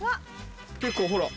結構ほら。